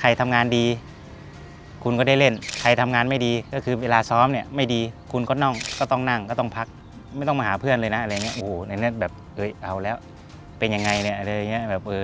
ใครทำงานดีคุณก็ได้เล่นใครทำงานไม่ดีก็คือเวลาซ้อมเนี่ยไม่ดีคุณก็น่องก็ต้องนั่งก็ต้องพักไม่ต้องมาหาเพื่อนเลยนะอะไรอย่างนี้